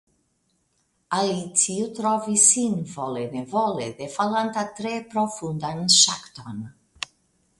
Alicio trovis sin vole nevole defalanta tre profundan ŝakton.